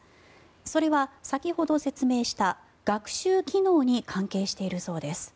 それは先ほど説明した学習機能に関係しているそうです。